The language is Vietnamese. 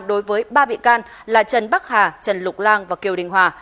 đối với ba bị can là trần bắc hà trần lục lan và kiều đình hòa